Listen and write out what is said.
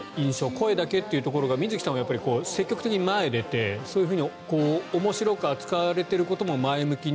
声だけというところが水木さんは積極的に前に出てそういうふうに面白く扱われていることも前向きに。